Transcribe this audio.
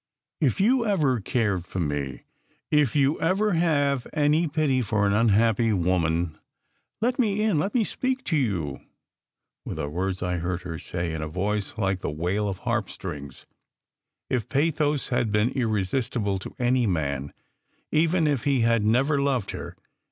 "If you ever cared for me, if you have any pity for an unhappy woman, let me in let me speak to you," were the words I heard her say, in a voice like the wail of harp strings. Its pathos would have been irresistible to any man, even if he had never loved her.